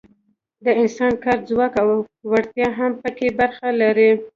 د انسان کاري ځواک او وړتیا هم پکې برخه لري.